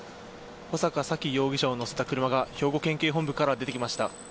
穂坂沙喜容疑者を乗せた車が、兵庫県警本部から出てきました。